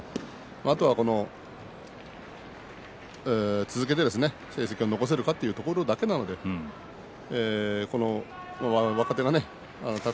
あとは続けていい成績を残せるかというどころだけなので若手がそして